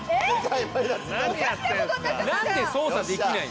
なんで操作できない？